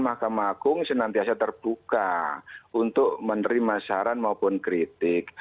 mahkamah agung senantiasa terbuka untuk menerima saran maupun kritik